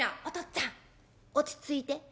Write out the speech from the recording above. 「おとっつぁん落ち着いて。